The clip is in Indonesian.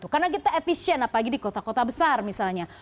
karena kita efisien apalagi di kota kota besar misalnya